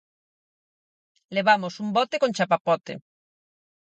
Levamos un bote con chapapote.